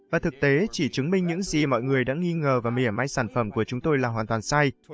và thực tế chỉ chứng minh những gì mọi người đã nghi ngờ và mỉa may sản phẩm của chúng tôi là hoàn toàn sai